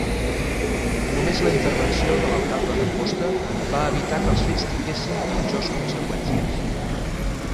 Només la intervenció de l'alcalde d'Amposta va evitar que els fets tinguessin pitjors conseqüències.